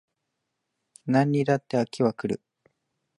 何にだって飽きは来る